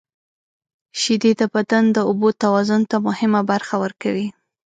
• شیدې د بدن د اوبو توازن ته مهمه برخه ورکوي.